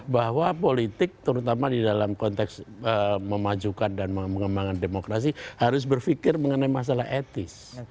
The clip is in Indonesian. bahwa politik terutama di dalam konteks memajukan dan mengembangkan demokrasi harus berpikir mengenai masalah etis